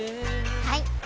はい！